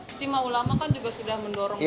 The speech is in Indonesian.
istimewa ulama kan juga sudah mendorong ke sini